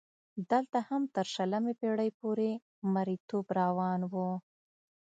دلته هم تر شلمې پېړۍ پورې مریتوب روان و.